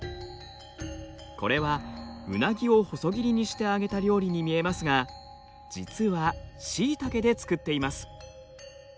これはウナギを細切りにして揚げた料理に見えますが実はしいたけで作っています。